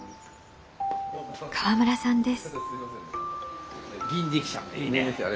河村さんです。